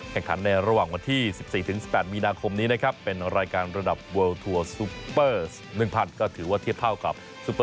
แข่งขันระหว่างวันที่๑๔๑๘มีนาคมนี้นะครับ